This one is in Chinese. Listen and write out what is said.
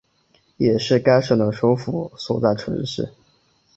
也是该省的首府所在城市。